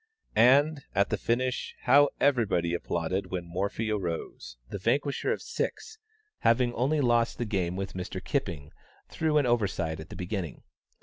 And, at the finish, how everybody applauded when Morphy arose, the vanquisher of six, having only lost the game with Mr. Kipping through an oversight at the beginning.